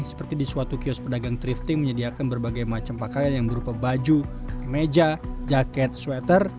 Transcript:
seperti di suatu kios pedagang thrifting menyediakan berbagai macam pakaian yang berupa baju meja jaket sweater